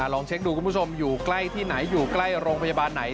ลองเช็คดูคุณผู้ชมอยู่ใกล้ที่ไหนอยู่ใกล้โรงพยาบาลไหน